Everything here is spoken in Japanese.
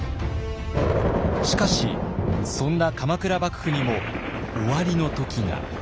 しかしそんな鎌倉幕府にも終わりの時が。